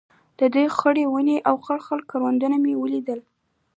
د توتو خړې ونې او خړ خړ کروندې مې لیدل.